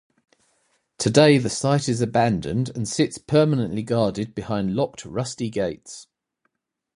Today the site is abandoned and sits permanently guarded behind locked rusty gates.